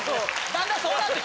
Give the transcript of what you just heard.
だんだんそうなって。